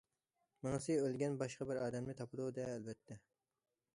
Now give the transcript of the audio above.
مېڭىسى ئۆلگەن باشقا بىر ئادەمنى تاپىدۇ دە ئەلۋەتتە.